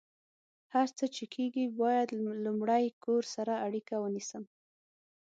هر څه چې کیږي، باید لمړۍ کور سره اړیکه ونیسم